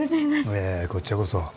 いやいやこっちゃこそ。